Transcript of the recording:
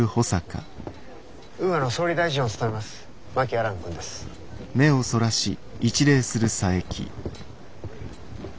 ウーアの総理大臣を務めます真木亜蘭君です。